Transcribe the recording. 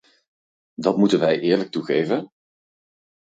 Dat moeten wij eerlijk toegeven.